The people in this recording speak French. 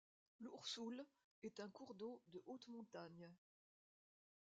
L'Oursoul est un cours d'eau de haute montagne.